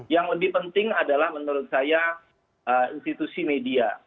yang lebih penting adalah menurut saya institusi media